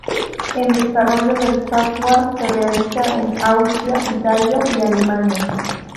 El desarrollo de software se realiza en Austria, Italia y Alemania.